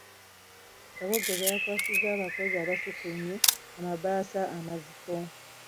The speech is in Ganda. Kabogoza yakwasizza abakozi abasukkulumye amabaasa amazito.